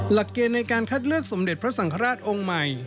หลักเกณฑ์ในการคัดเลือกสมเด็จพระสังฆราชองค์ใหม่